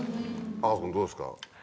赤楚君どうですか？